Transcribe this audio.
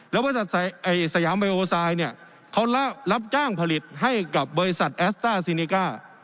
แล้วบริษัทสยามไอโอไซด์เนี่ยเขารับจ้างผลิตให้กับบริษัทแอสต้าซีเนก้า